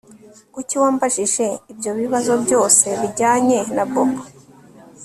Kuki wambajije ibyo bibazo byose bijyanye na Bobo